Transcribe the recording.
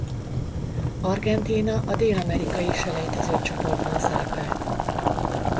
Argentína a dél-amerikai selejtezőcsoportban szerepelt.